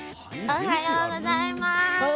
おはようございます。